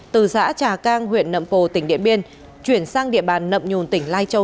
từ xã trà cang huyện nậm pồ tỉnh điện biên chuyển sang địa bàn nậm nhùn tỉnh lai châu